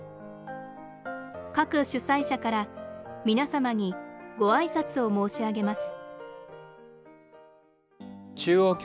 各主催者から皆様にご挨拶を申し上げます。